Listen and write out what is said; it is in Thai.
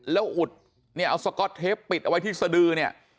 แล้วอุดเนี่ยเอาสก๊อตเทปปิดเอาไว้ที่สดือเนี่ย